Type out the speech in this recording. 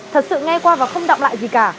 thật sự nghe qua và không động lại gì cả